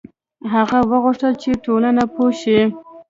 هغه غوښتل چې ټولنه پوه شي.